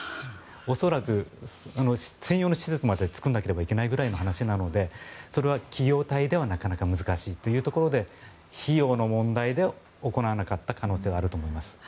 恐らく、専用の施設まで作らなければいけないくらいの話なので企業体では難しいということなので費用の問題で行わなかった可能性があります。